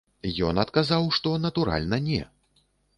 Ён адказаў, што, натуральна, не.